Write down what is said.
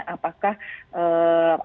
apakah ada faktornya